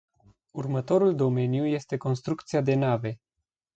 Următorul domeniu este construcția de nave.